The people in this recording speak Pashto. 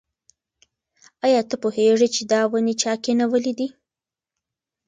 ایا ته پوهېږې چې دا ونې چا کینولي دي؟